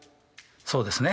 そうですね。